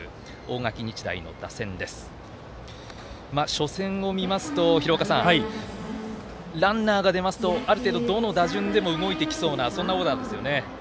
初戦を見ますとランナーが出ますとある程度、どの打順でも動いてきそうなそんなオーダーですね。